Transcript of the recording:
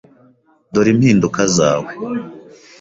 Dore impinduka zawe.